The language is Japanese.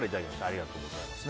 ありがとうございます。